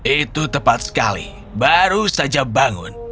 itu tepat sekali baru saja bangun